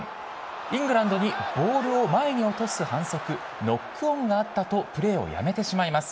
イングランドにボールを前に落とす反則、ノックオンがあったとプレーをやめてしまいます。